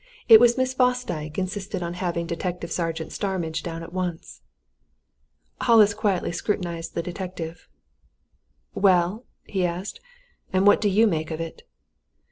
It was Miss Fosdyke insisted on having Detective Sergeant Starmidge down at once." Hollis quietly scrutinized the detective. "Well?" he asked. "And what do you make of it?"